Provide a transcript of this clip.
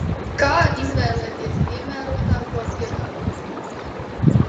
Kā izvēlēties piemērotāko piedāvājumu?